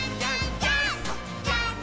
ジャンプ！！」